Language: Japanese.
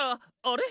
あれ？